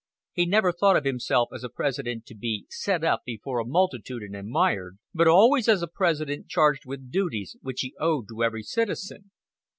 He never thought of himself as a President to be set up before a multitude and admired, but always as a President charged with duties which he owed to every citizen.